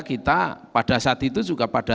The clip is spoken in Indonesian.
kita pada saat itu juga pada